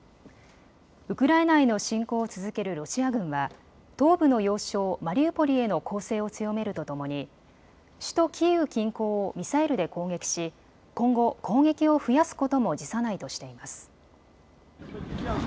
ウクライナへの侵攻を続けるロシア軍は東部の要衝マリウポリへの攻勢を強めるとともに首都キーウ近郊をミサイルで攻撃し今後、攻撃を増やすことも辞さないとしています。